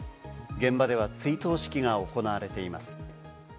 現場では追悼式が行われています。